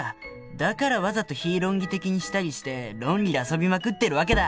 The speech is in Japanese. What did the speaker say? だからわざと非論理的にしたりして論理で遊びまくってる訳だ。